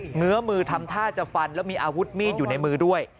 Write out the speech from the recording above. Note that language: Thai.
เหงือมือทำท่าจะฟันแล้วมีอาวุธมีดอยู่ในมือด้วย